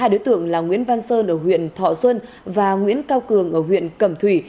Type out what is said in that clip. hai đối tượng là nguyễn văn sơn ở huyện thọ xuân và nguyễn cao cường ở huyện cẩm thủy